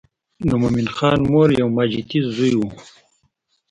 د مومن خان مور یو ماجتي زوی و.